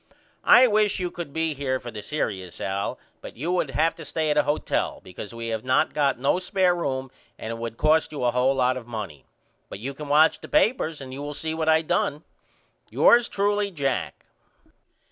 I wish you could be here for the serious Al but you would have to stay at a hotel because we have not got no spair room and it would cost you a hole lot of money. But you can watch the papers and you will see what I done. Yours truly, JACK.